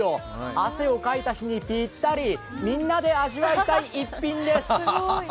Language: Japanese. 汗をかいた日にぴったりみんなで味わいたい一品です。